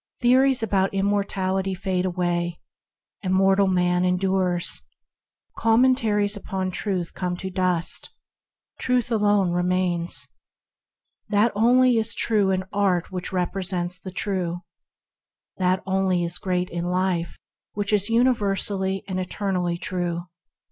Theories about immortality fade away, immortal man endures; commentaries upon Truth come to the dust, Truth alone remains. That only is true in art which represents the True; that only is great in life which is universally and eternally true.